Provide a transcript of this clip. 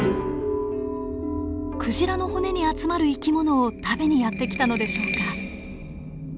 クジラの骨に集まる生き物を食べにやって来たのでしょうか？